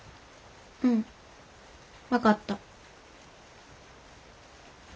うん分かった。